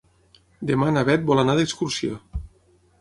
Demà na Bet vol anar d'excursió.